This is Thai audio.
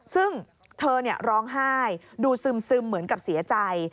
ซึ่งเธอร้องไห้ดูซึมเหมือนกับเสียใจ